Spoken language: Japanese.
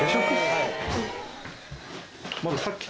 はい。